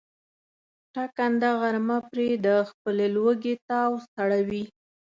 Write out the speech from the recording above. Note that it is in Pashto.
ټکنده غرمه پرې د خپلې لوږې تاو سړوي.